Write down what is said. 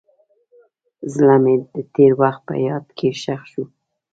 زړه مې د تېر وخت په یاد کې ښخ شو.